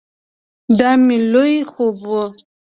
دا مې لوی خوب ؤ